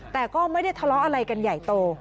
แต่ก็ไม่ได้ทะเลาะอะไรกันใหญ่โต